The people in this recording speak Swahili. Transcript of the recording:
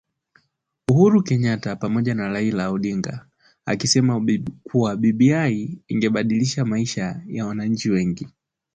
Uhuru Kenyatta pamoja na Raila Odinga akisema kuwa BBI ingebadilisha maisha ya wananchi wengi